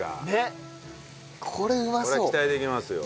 こりゃ期待できますよ。